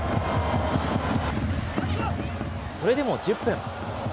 それでも１０分。